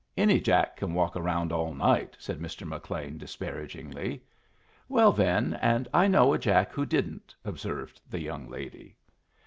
"Any Jack can walk around all night," said Mr. McLean, disparagingly. "Well, then, and I know a Jack who didn't," observed the young lady.